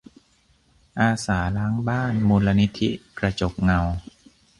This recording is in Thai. อาสาล้างบ้าน มูลนิธิกระจกเงา